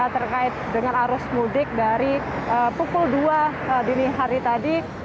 terkait dengan arus mudik dari pukul dua dini hari tadi